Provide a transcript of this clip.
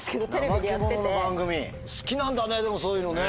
好きなんだねでもそういうのね。